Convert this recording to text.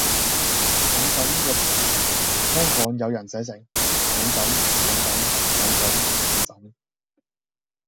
𤷪𤺧 呢個詞語，香港有人寫成：忟憎，憫憎 ，𤷪𤺧，𢛴 憎